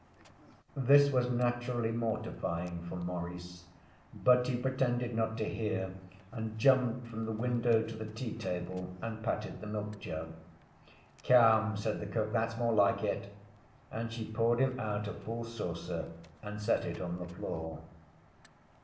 This was naturally mortifying for Maurice, but he pretended not to hear, and jumped from the window to the tea table and patted the milk jug. 'Come,' said the cook, 'that's more like it,' and she poured him out a full saucer and set it on the floor.